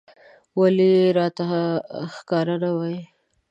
ولې راته ښکاره نه وايې